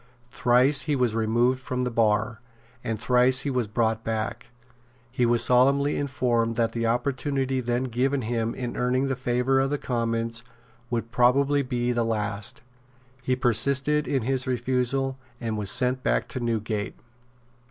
Thrice he was removed from the bar; and thrice he was brought back. He was solemnly informed that the opportunity then given him of earning the favour of the Commons would probably be the last. He persisted in his refusal, and was sent back to Newgate.